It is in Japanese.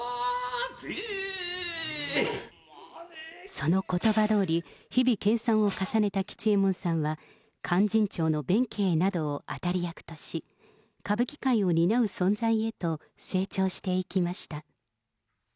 そのことばどおり、日々研さんを重ねた吉右衛門さんは、勧進帳の弁慶などを当たり役とし、歌舞伎界を担う存在へと成長していきました。